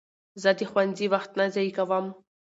زه د ښوونځي وخت نه ضایع کوم.